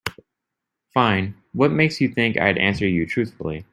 Fine, what makes you think I'd answer you truthfully?